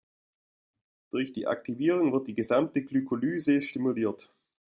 Durch die Aktivierung wird die gesamte Glykolyse stimuliert.